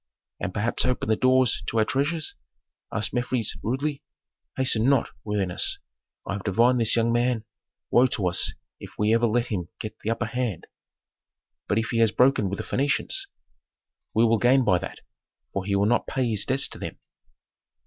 "And perhaps open the doors to our treasures?" asked Mefres, rudely. "Hasten not, worthiness, I have divined this young man woe to us if ever we let him get the upper hand." "But if he has broken with the Phœnicians?" "He will gain by that; for he will not pay his debts to them."